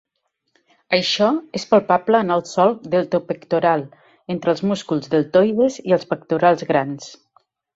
Això és palpable en el solc deltopectoral entre els músculs deltoides i els pectorals grans.